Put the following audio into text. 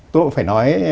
tôi cũng phải nói